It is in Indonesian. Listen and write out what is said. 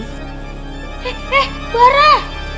eh eh barah